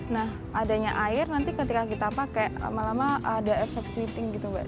nah adanya air nanti ketika kita pakai lama lama ada efek sweeping gitu mbak